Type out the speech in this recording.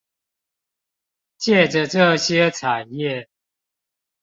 藉著這些產業